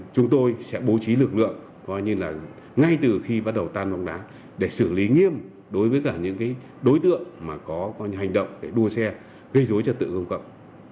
chúng tôi sẽ bố trí lực lượng ngay từ khi bắt đầu tan bóng đá để xử lý nghiêm đối với những đối tượng có hành động để đua xe gây dối trật tự công cộng